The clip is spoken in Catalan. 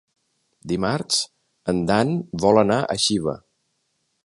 Dimarts en Dan vol anar a Xiva.